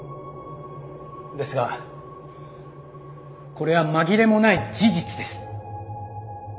ですがこれは紛れもない事実です。